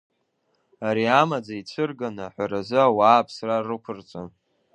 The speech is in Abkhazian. Ари амаӡа ицәырганы аҳәаразы ауаа аԥсра рықәырҵон.